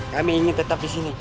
kami ingin tetap di sini